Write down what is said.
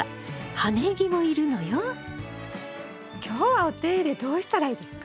今日はお手入れどうしたらいいですか？